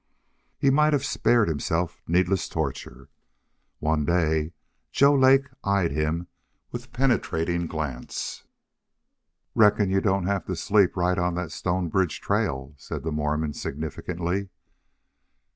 He might have spared himself needless torture. One day Joe Lake eyed him with penetrating glance. "Reckon you don't have to sleep right on that Stonebridge trail," said the Mormon, significantly.